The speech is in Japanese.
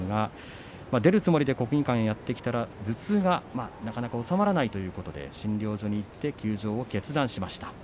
出るつもりで国技館にやってきたらば、頭痛がなかなか治まらないということで診療所に行って休場を決断しました。